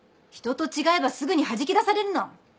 人と違えばすぐにはじき出されるの。